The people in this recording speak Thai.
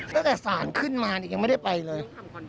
ตั้งแต่ศาลขึ้นมายังไม่ได้ไปเลย